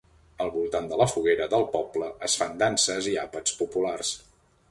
Al voltant de la foguera del poble es fan danses i àpats populars.